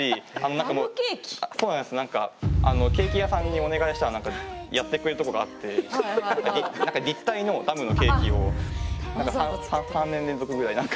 ケーキ屋さんにお願いしたらやってくれるとこがあって立体のダムのケーキを３年連続ぐらい何か。